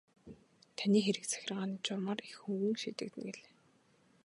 Таны хэрэг захиргааны журмаар их хөнгөн шийдэгдэнэ гэлээ.